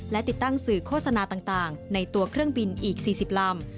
และติดตั้งสื่อโฆษณาต่างในตัวเครื่องบินอีก๔๐ลำ